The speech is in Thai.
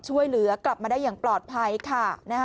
ช่วยเหลือกลับมาได้อย่างปลอดภัยค่ะ